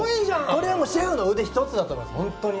これはシェフの腕一つだと思います。